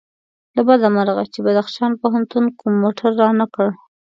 له بده مرغه چې بدخشان پوهنتون کوم موټر رانه کړ.